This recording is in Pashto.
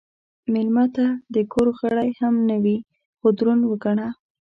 مېلمه ته که د کور غړی هم نه وي، خو دروند وګڼه.